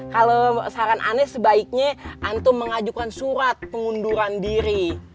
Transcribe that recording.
kalo saran ane sebaiknya antum mengajukan surat pengunduran diri